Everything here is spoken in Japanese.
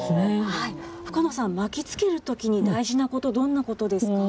深野さん、巻きつけるときに大事なこと、どんなことですか？